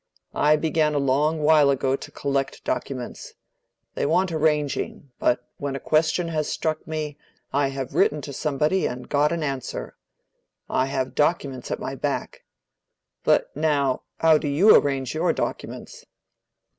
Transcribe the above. I began a long while ago to collect documents. They want arranging, but when a question has struck me, I have written to somebody and got an answer. I have documents at my back. But now, how do you arrange your documents?"